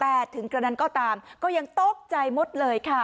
แต่ถึงกระนั้นก็ตามก็ยังตกใจหมดเลยค่ะ